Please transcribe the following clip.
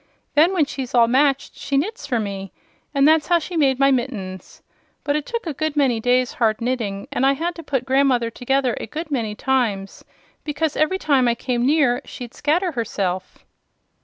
Then, when she's all matched, she knits for me, and that's how she made my mittens. But it took a good many days hard knitting, and I had to put Grandmother together a good many times, because every time I came near, she'd scatter herself."